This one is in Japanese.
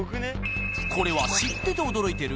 これは知ってて驚いてる？